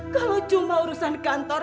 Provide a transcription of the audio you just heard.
kalau cuma urusan kantor